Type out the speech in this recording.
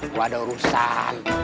gua ada urusan